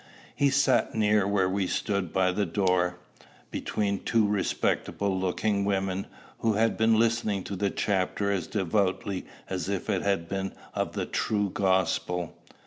He sat near where we stood by the door, between two respectable looking women, who had been listening to the chapter as devoutly as if it had been of the true gospel.